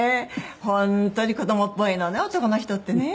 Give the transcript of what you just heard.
本当に子供っぽいのね男の人ってね。